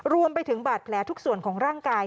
รวมไปถึงบาดแผลทุกส่วนของร่างกาย